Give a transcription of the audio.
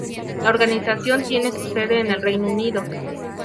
La organización tiene su sede en el Reino Unido.